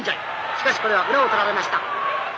しかしこれは裏を取られました。